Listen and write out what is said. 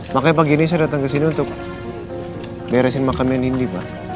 makanya pagi ini saya datang ke sini untuk beresin makam nia nindi pak